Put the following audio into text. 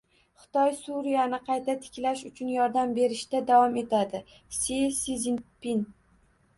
Xitoy Suriyani qayta tiklash uchun yordam berishda davom etadi — Si Szinpin